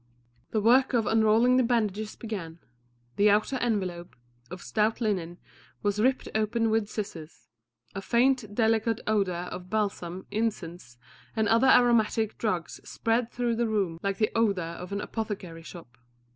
The work of unrolling the bandages began; the outer envelope, of stout linen, was ripped open with scissors. A faint, delicate odour of balsam, incense, and other aromatic drugs spread through the room like the odour of an apothecary's shop.